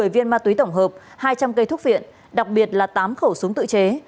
một mươi viên ma túy tổng hợp hai trăm linh cây thuốc viện đặc biệt là tám khẩu súng tự chế